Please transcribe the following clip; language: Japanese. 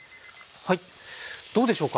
はいどうでしょうか。